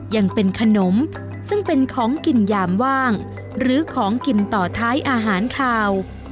ยังเป็นขนมซึ่งเป็นของกินยามว่างหรือของกินต่อท้ายอาหารคาว